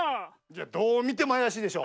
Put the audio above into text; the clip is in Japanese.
どうみてもあやしいでしょ。